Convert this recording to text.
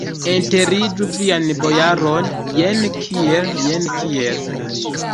Enterigu vian bojaron, jen kiel, jen kiel!